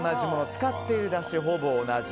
使っているだしもほぼ同じ。